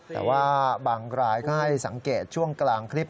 แต่ว่าบางรายก็ให้สังเกตช่วงกลางคลิป